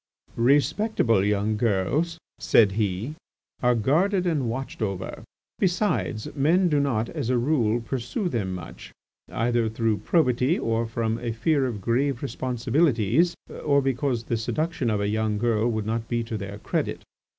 "Respectable young girls," said he, "are guarded and watched over. Besides, men do not, as a rule, pursue them much, either through probity, or from a fear of grave responsibilities, or because the seduction of a young girl would not be to their credit.